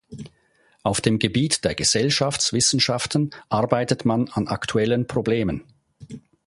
Auf dem Gebiet der Gesellschaftswissenschaften arbeitet man an aktuellen Problemen.